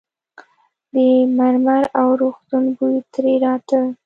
د مرمر او روغتون بوی ترې راته.